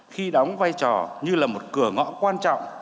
khi đóng vai trò như là một cửa ngõ quan trọng